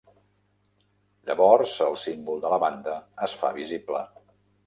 Llavors el símbol de la banda es fa visible.